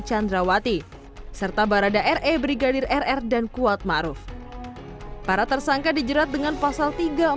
chandrawati serta barada r e brigadir rr dan kuat maruf para tersangka dijerat dengan pasal tiga ratus empat puluh